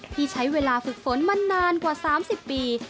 ที่ใช้เวลาฝึกฝนมานานกว่า๓๐ปี